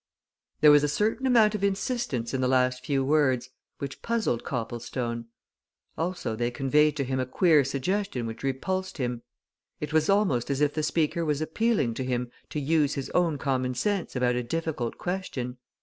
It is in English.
There was a certain amount of insistence in the last few words which puzzled Copplestone also they conveyed to him a queer suggestion which repulsed him; it was almost as if the speaker was appealing to him to use his own common sense about a difficult question.